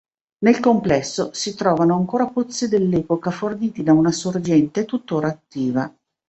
Nel complesso si trovano ancora pozzi dell'epoca forniti da una sorgente tuttora attiva.